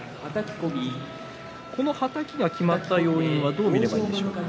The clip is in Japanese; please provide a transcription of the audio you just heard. このはたきがきまった要因はどう見ればいいでしょうか？